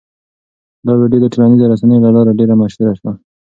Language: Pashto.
دا ویډیو د ټولنیزو رسنیو له لارې ډېره مشهوره شوه.